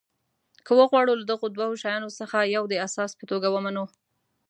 که وغواړو له دغو دوو شیانو څخه یو د اساس په توګه ومنو.